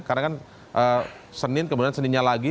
karena kan senin kemudian seninnya lagi